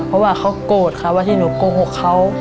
เพราะว่าเขาโกรธค่ะว่าที่หนูโกหกเขา